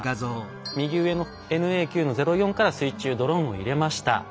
右上のＮＡ９−０４から水中ドローンを入れました。